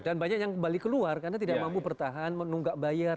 dan banyak yang balik keluar karena tidak mampu bertahan menunggak bayar